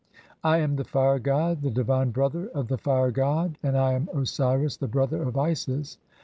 "I am the Fire god, the divine brother of the Fire god, and "[I am] Osiris the brother of Isis.